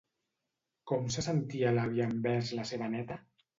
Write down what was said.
Com se sentia l'avi envers la seva neta?